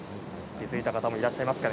気付いた方もいらっしゃいますか。